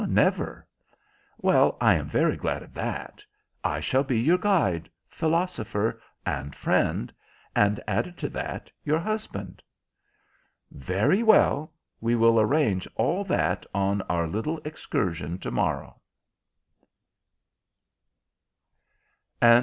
"Never." "Well, I am very glad of that. I shall be your guide, philosopher, and friend, and, added to that, your husband." "Very well, we will arrange all that on our little excursion to morrow."